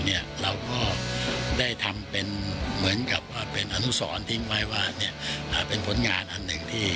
เราก็ได้ทำเป็นเหมือนกับว่าเป็นอนุสรทิ้งไว้ว่าเป็นผลงานอันหนึ่งที่